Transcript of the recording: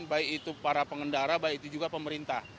baik itu para pengendara baik itu juga pemerintah